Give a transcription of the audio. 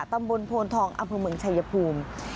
ตำบลโพนทองอำเภอเมืองชายภูมิ